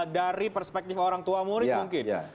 dari perspektif orang tua murid mungkin